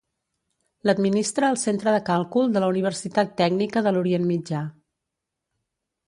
L'administra el Centre de Càlcul de la Universitat Tècnica de l'Orient Mitjà.